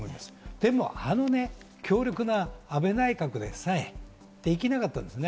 でもあのね、強力な安倍内閣でさえできなかったですね。